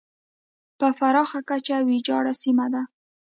په پراخه کچه ویجاړه سیمه ده.